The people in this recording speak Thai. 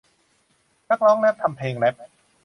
นักร้องแร็พทำเพลงแรพ